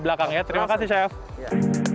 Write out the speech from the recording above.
belakang ya terima kasih chef